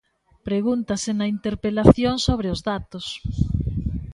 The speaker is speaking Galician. Pregúntase na interpelación sobre os datos.